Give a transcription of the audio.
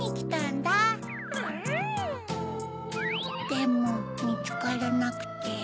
でもみつからなくて。